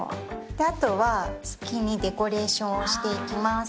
後は好きにデコレーションをしていきます。